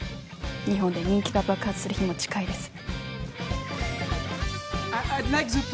日本で人気が爆発する日も近いです